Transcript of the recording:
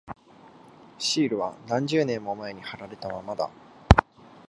シールは何十年も前に貼られたままだ。